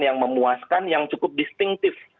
yang memuaskan yang cukup distinktif